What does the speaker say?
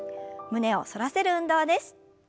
胸を反らせる運動です。